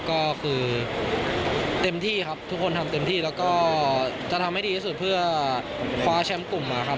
ก็คือเต็มที่ครับทุกคนทำเต็มที่แล้วก็จะทำให้ดีที่สุดเพื่อคว้าแชมป์กลุ่มมาครับ